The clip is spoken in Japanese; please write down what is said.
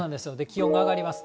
気温が上がります。